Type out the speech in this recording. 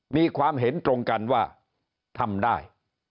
มีความเห็นตรงกันว่าทำได้